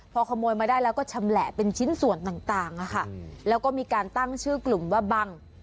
พอขโมยมาได้แล้วก็ชำแหละเป็นชิ้นส่วนต่างแล้วก็มีการตั้งชื่อกลุ่มว่าบัง